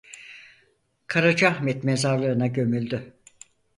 Karacaahmet Mezarlığı'na gömüldü.